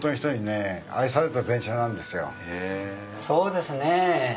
そうですねえ。